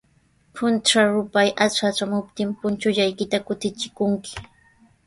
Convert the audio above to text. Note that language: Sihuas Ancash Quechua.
Puntraw rupay atratraamuptin, punchullaykita kutichikunki.